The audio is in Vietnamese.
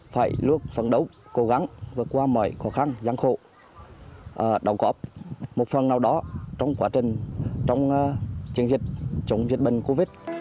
phải luôn phấn đấu cố gắng vượt qua mọi khó khăn gian khổ đóng góp một phần nào đó trong quá trình trong chiến dịch chống dịch bệnh covid